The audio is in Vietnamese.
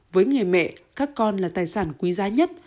với người mẹ các con là tài sản quý giá nhất